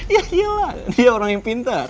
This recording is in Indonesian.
iya iya lah dia orang yang pintar